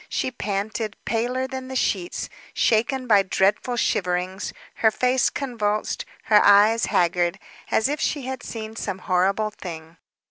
She panted, paler than the sheets, shaken by dreadful shiverings, her face convulsed, her eyes haggard, as if she had seen some horrible thing.